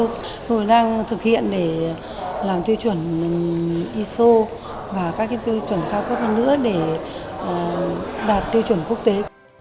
chúng tôi đang thực hiện để làm tiêu chuẩn iso và các tiêu chuẩn cao cấp hơn nữa để đạt tiêu chuẩn quốc tế